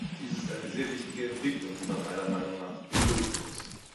Das ist eine sehr wichtige Entwicklung, die man meiner Meinung nach begrüßen muss.